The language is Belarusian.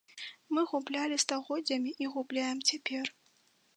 Мы гублялі стагоддзямі і губляем цяпер.